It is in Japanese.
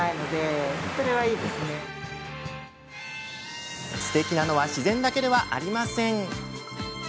すてきなのは自然だけではありません。